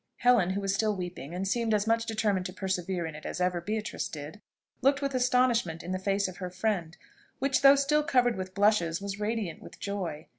Helen, who was still weeping, and seemed as much determined to persevere in it as ever Beatrice did, looked with astonishment in the face of her friend, which, though still covered with blushes, was radiant with joy.